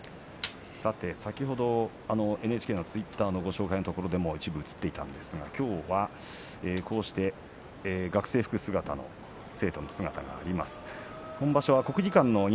先ほどＮＨＫのツイッターのご紹介のところで一部映ってたんですがきょうは学生服姿の生徒の姿があります。